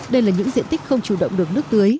đây là những diện tích không chủ động được nước tưới